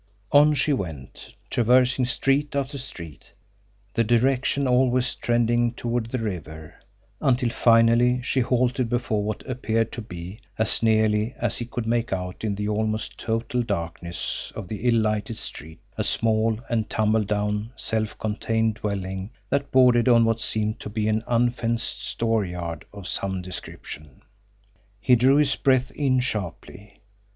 On she went, traversing street after street, the direction always trending toward the river until finally she halted before what appeared to be, as nearly as he could make out in the almost total darkness of the ill lighted street, a small and tumble down, self contained dwelling that bordered on what seemed to be an unfenced store yard of some description. He drew his breath in sharply.